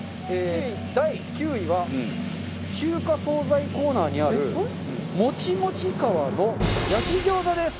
第９位は中華惣菜コーナーにあるもちもち皮の焼き餃子です！